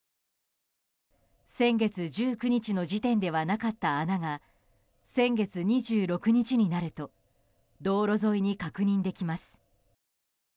先月１９日の時点ではなかった穴が先月２６日になると道路沿いに確認できます。